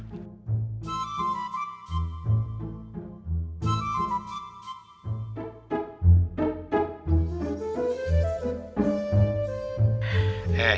kalo warung sulam bangkrut